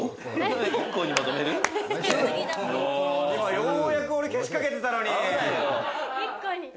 ＩＫＫＯ、ようやく俺、消しかけてたのに。